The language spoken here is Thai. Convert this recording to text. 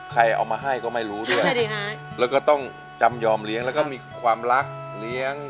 ใครเอามาให้ก็ไม่รู้ด้วยแล้วก็ต้องจำยอมเลี้ยงแล้วก็มีความรักเลี้ยง